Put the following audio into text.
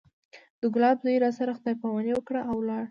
د ګلاب زوى راسره خداى پاماني وکړه او ولاړ.